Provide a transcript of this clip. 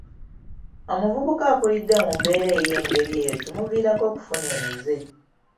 Omuvubuka akulidde mu mbeera ey'engeri eyo kimuviiramu okufuna emize.